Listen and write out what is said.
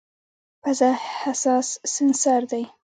پزه حساس سینسر دی.